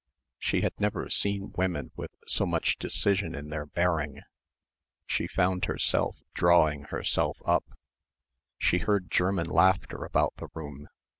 She had never seen women with so much decision in their bearing. She found herself drawing herself up. She heard German laughter about the room.